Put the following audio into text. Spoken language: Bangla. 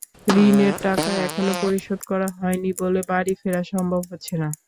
ঋণের টাকা এখনো পরিশোধ করা হয়নি বলে বাড়ি ফেরা সম্ভব হচ্ছে না।